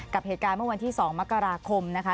กับเหตุการณ์เมื่อวันที่๒มกราคมนะคะ